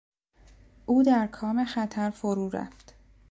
او در کام خطر فرو رفت.